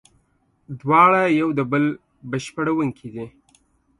دواړه یو د بل بشپړوونکي دي.